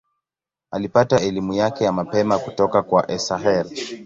Alipata elimu yake ya mapema kutoka kwa Esakhel.